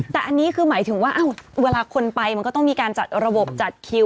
แต่อันนี้คือหมายถึงว่าเวลาคนไปมันก็ต้องมีการจัดระบบจัดคิว